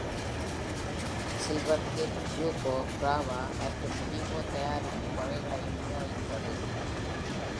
Silver cat ஷூகோ, Brava மற்றும் Pico தயாரிப்பு வகைளையும் விநியோகித்தது.